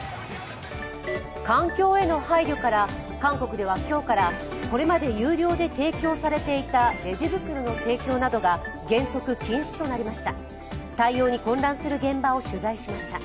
環境への配慮から韓国では今日からこれまで有料で提供されていたレジ袋の提供などが原則禁止となりました。